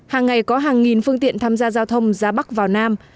hàng ngày có hàng nghìn phương tiện tham gia giao thông ra bắc vào nam